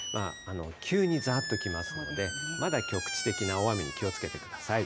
急にざーっときますので、まだ局地的な大雨に気をつけてください。